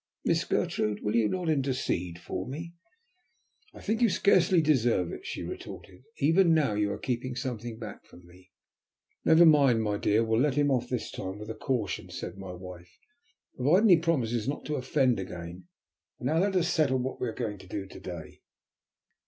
Miss Gertrude, will you not intercede for me?" "I think that you scarcely deserve it," she retorted. "Even now you are keeping something back from me." "Never mind, my dear, we'll let him off this time with a caution," said my wife, "provided he promises not to offend again. And now let us settle what we are going to do to day."